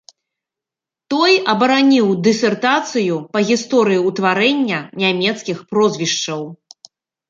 Той абараніў дысертацыю па гісторыі ўтварэння нямецкіх прозвішчаў.